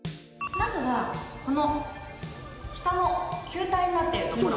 まずはこの下の球体になっているところ。